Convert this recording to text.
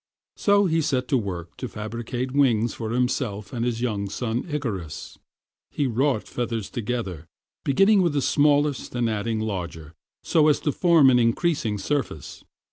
So he set to work to fabricate wings for himself and his young son Icarus. He wrought feathers together, beginning with the smallest and adding larger, so as to form an increasing surface.